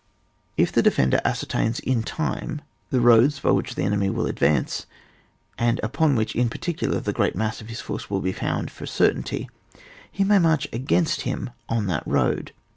If the defender ascertains in time the roads by which the enemy will advance, and upon which in particular the great mass of his force will be found for a cer tainty, he may inarch against him on that road.